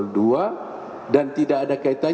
dan tidak ada kaitannya dengan perkara ini